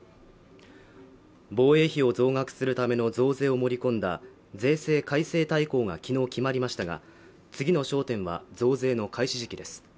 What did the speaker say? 防衛費を増額するための増税を盛り込んだ税制改正大綱が昨日決まりましたが次の焦点は増税の開始時期です